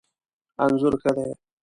انځور ښه دی